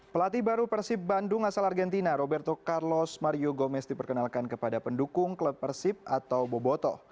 pelatih baru persib bandung asal argentina roberto carlos mario gomez diperkenalkan kepada pendukung klub persib atau boboto